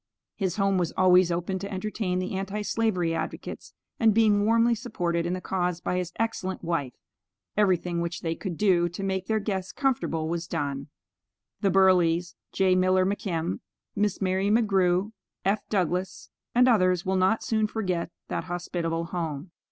His home was always open to entertain the anti slavery advocates, and being warmly supported in the cause by his excellent wife, everything which they could do to make their guests comfortable was done. The Burleighs, J. Miller McKim, Miss Mary Grew, F. Douglass, and others will not soon forget that hospitable home.